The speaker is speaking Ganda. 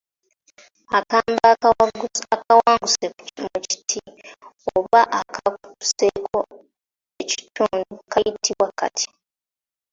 Akambe akawanguse mu kiti oba akakutuseeko ekitundu kayitibwa katya?